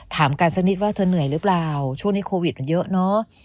ถามกันสักนิดว่าเธอเหนื่อยหรือเปล่าช่วงนี้โควิดมันเยอะเนอะ